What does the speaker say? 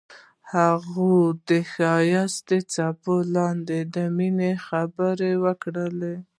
هغوی د ښایسته څپو لاندې د مینې ژورې خبرې وکړې.